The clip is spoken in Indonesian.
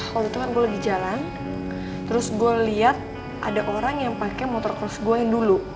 kalau itu kan gue lagi jalan terus gue liat ada orang yang pakai motor cross gue yang dulu